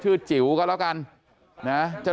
สวัสดีครับคุณผู้ชาย